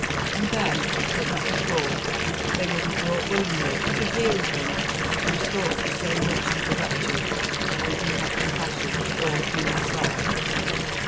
. and then, but not before, they will be brought willingly to hear of Him whose thoughts were so much with the wretched, and who had compassion for all human sorrow."